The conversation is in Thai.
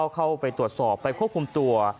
เข้าไปตรวจสอบไปควบคุมตัว